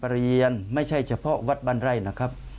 สลาการประโยชน์ไม่ใช่เฉพาะวัดบรรใดนะครับ